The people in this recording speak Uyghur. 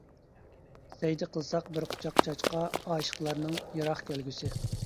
سەجدە قىلسا بىر قۇچاق چاچقا، ئاشىقلارنىڭ يىراق كەلگۈسى.